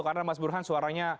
karena mas burhan suaranya